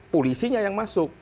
polisinya yang masuk